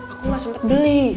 aku nggak sempat beli